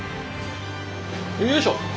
よいしょ！